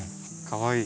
かわいい。